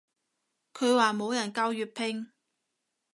佢話冇人教粵拼